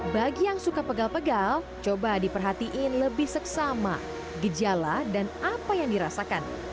bagi yang suka pegal pegal coba diperhatiin lebih seksama gejala dan apa yang dirasakan